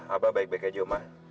abah baik baik saja ma